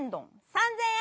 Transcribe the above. ３，０００円！